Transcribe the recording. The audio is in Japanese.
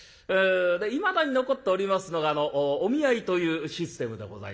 いまだに残っておりますのがお見合いというシステムでございます。